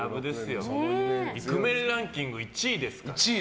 イクメンランキング１位ですからね。